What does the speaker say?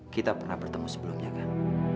kita pernah bertemu sebelumnya kan